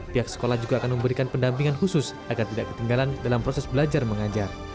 pihak sekolah juga akan memberikan pendampingan khusus agar tidak ketinggalan dalam proses belajar mengajar